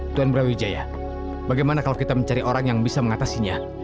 tuan brawijaya bagaimana kalau kita mencari orang yang bisa mengatasinya